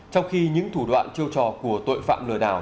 trong khi những thủ đoạn chiêu trò của tội phạm lừa đảo